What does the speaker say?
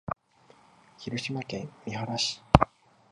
広島県三原市